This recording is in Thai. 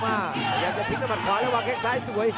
กระโดยสิ้งเล็กนี่ออกกันขาสันเหมือนกันครับ